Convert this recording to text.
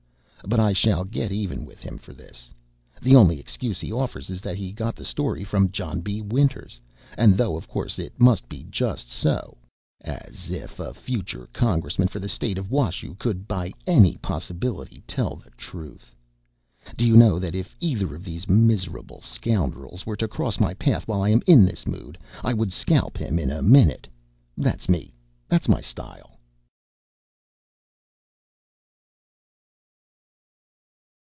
But I shall get even with him for this. The only excuse he offers is that he got the story from John B. Winters, and thought of course it must be just so as if a future Congressman for the state of Washoe could by any possibility tell the truth! Do you know that if either of these miserable scoundrels were to cross my path while I am in this mood I would scalp him in a minute? That's me that's my style.